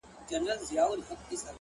مه کوه گمان د ليوني گلي .